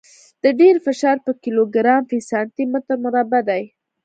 د ټیر فشار په کیلوګرام فی سانتي متر مربع دی